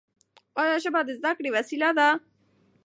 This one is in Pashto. ایا ژبه د زده کړې وسیله ده؟